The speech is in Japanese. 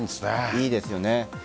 いいですよね。